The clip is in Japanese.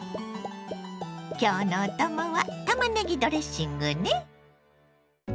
今日のお供はたまねぎドレッシングね。